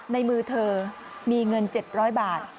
ในมือเธอมีเงิน๗๐๐บาท